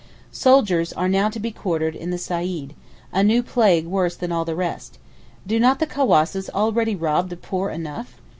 Soldiers are now to be quartered in the Saeed—a new plague worse than all the rest. Do not the cawasses already rob the poor enough?